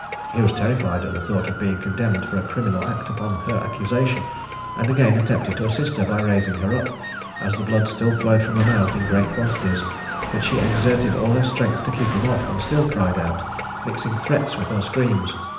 He was terrified at the thought of being condemned for a criminal act upon her accusation, and again attempted to assist her by raising her up, as the blood still flowed from her mouth in great quantities; but she exerted all her strength to keep him off, and still cried out, mixing threats with her screams.